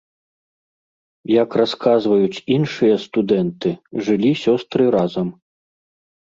Як расказваюць іншыя студэнты, жылі сёстры разам.